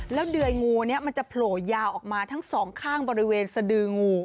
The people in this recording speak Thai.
แล้วเดื่อยงูนี้มันจะโผล่ยาวออกมาทั้งสองข้างบริเวณสดืองู